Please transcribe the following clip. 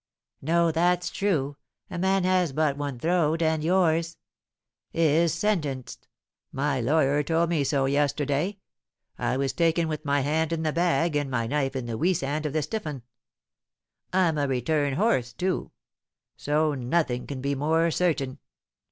"No, that's true; a man has but one throat, and yours " "Is sentenced; my lawyer told me so yesterday. I was taken with my hand in the bag, and my knife in the weasand of the stiff'un. I'm a 'return horse,' too; so nothing can be more certain.